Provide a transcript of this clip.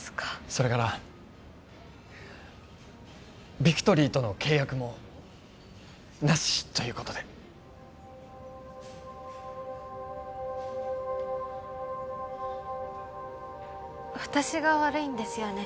それからビクトリーとの契約もなしということで私が悪いんですよね